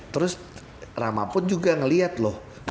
terus rama pun juga ngelihat loh